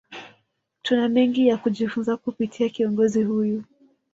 Tuna mengi ya kujifunza kupitia kiongozi huyu